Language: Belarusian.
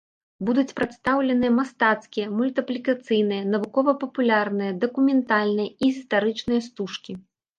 Будуць прадстаўленыя мастацкія, мультыплікацыйныя, навукова-папулярныя, дакументальныя і гістарычныя стужкі.